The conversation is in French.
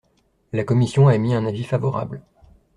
La commission a émis un avis favorable.